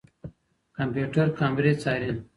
کمپيوټر کامرې څاري.